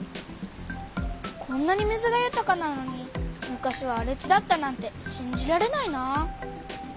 こんなに水がゆたかなのに昔はあれ地だったなんてしんじられないなあ。